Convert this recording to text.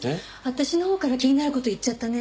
私のほうから気になる事言っちゃったね。